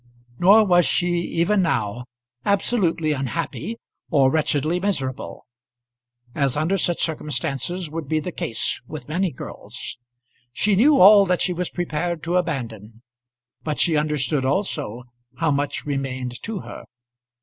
Nor was she, even now, absolutely unhappy, or wretchedly miserable; as under such circumstances would be the case with many girls. She knew all that she was prepared to abandon, but she understood also how much remained to her.